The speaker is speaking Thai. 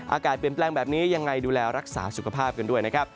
อากาศเปลี่ยนแปลงแบบนี้ยังไงดูแลรักษาสุขภาพกันด้วยนะครับ